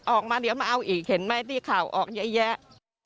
ออกมาเดี๋ยวมาเอาอีกเห็นไหมที่ข่าวออกเยอะแยะ